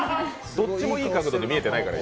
どっちもいい角度で見えてないから。